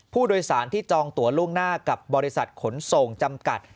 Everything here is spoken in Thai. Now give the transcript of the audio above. ผู้โดยสารที่จองตัวล่วงหน้ากับบริษัทขนส่งจำกัด